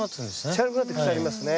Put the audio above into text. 茶色くなって腐りますね。